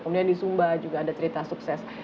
kemudian di sumba juga ada cerita sukses